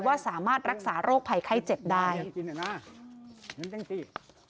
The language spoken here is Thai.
ว่าสามารถรักษาโรคภัยไข้เจ็บได้สิ